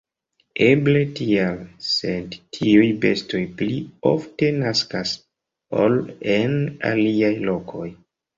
Eble tial, sed tiuj bestoj pli ofte naskas, ol en aliaj lokoj.